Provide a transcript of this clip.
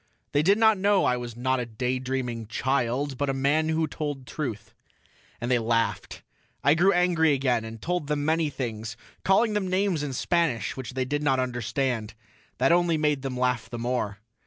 They did not know I was not a daydreaming child but a man who told truth. And they laughed; I grew angry again and told them many things, calling them names in Spanish, which they did not understand. That only made them laugh the more.